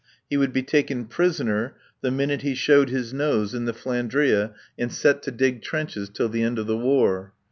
He would be taken prisoner the minute he showed his nose in the "Flandria" and set to dig trenches till the end of the War.